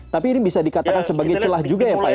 tapi ini bisa dikatakan sebagai celah juga ya pak ya